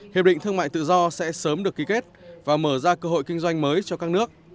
hiệp định thương mại tự do sẽ sớm được ký kết và mở ra cơ hội kinh doanh mới cho các nước